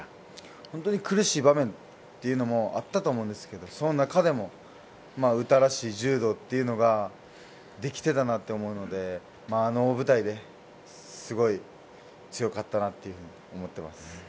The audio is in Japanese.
本当に苦しい場面っていうのはあったと思うんですけれど、その中でも詩らしい柔道っていうのができてたなと思うので、あの大舞台ですごい強かったなっていうふうに思ってます。